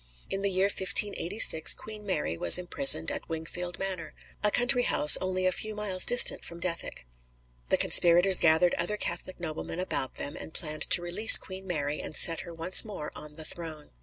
In the year 1586 Queen Mary was imprisoned at Wingfield Manor, a country house only a few miles distant from Dethick. The conspirators gathered other Catholic noblemen about them, and planned to release Queen Mary and set her once more on the throne.